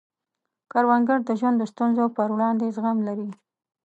کروندګر د ژوند د ستونزو پر وړاندې زغم لري